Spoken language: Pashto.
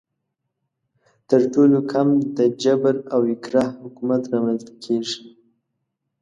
تر ټولو کم د جبر او اکراه حکومت رامنځته کیږي.